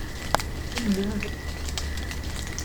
Lmed!